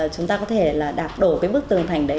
chúng ta có thể là đạp đổ cái bức tường thành đấy